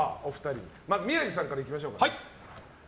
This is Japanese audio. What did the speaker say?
まず、宮治さんからいきましょう。